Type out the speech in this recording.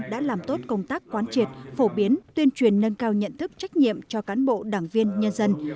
đã làm tốt công tác quán triệt phổ biến tuyên truyền nâng cao nhận thức trách nhiệm cho cán bộ đảng viên nhân dân